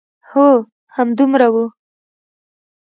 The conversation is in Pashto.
هو، همدومره و.